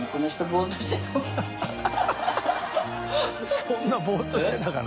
そんなぼーっとしてたかな